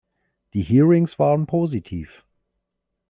Die Hearings waren positiv.